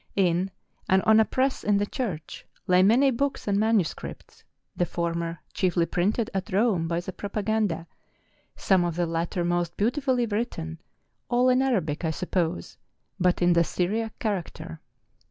In, and on a press in the church, lay many books and manuscripts, the former chiefly printed at Eome by the Propaganda, some of the latter most beautifully written,—all in Arabic, I suppose, but in the Syriac character.